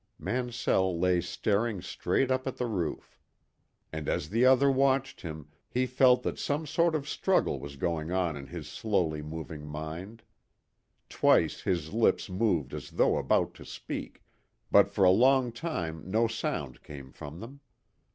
Mansell lay staring straight up at the roof. And as the other watched him he felt that some sort of struggle was going on in his slowly moving mind. Twice his lips moved as though about to speak, but for a long time no sound came from them.